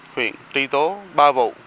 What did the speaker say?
huyện tri tố ba vụ